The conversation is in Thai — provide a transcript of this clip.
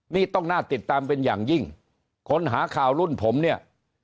นี่ต้องน่าติดตามเป็นอย่างยิ่งคนหาข่าวรุ่นผมเนี่ย